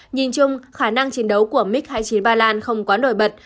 nhìn chung khả năng chiến đấu của mig hai mươi chín ba lan không quá nổi bật